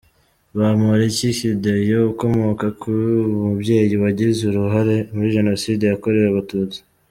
Bamporiki ‘Kideyo’ ukomoka ku mubyeyi wagize uruhare muri Jenoside yakorewe Abatutsi.